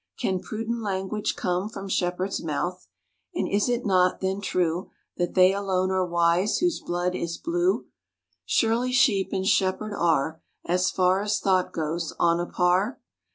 Can prudent language come From Shepherd's mouth? and is it not, then, true That they alone are wise whose blood is blue? Surely sheep and shepherd are, As far as thought goes, on a par?